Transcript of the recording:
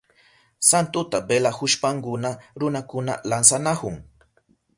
Santuta velahushpankuna runakuna lansanahun.